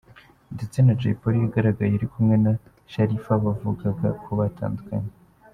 Ndetse na jay Polly yagaragaye arikumwe na shalifa bavugaga ko batandukanye